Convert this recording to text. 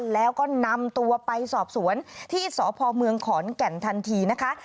แล้วก็นำตัวไปสอบสวนที่สพเมืองขอนแก่นทันทีนะคะ